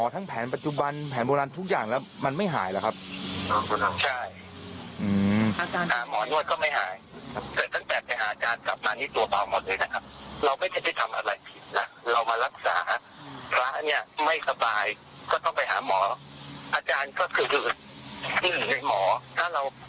ถ้า์ว้นหัวตัวร้อนไม่สบายเราก็ต้องไปโรงพยาบาลจัดไว้ทำ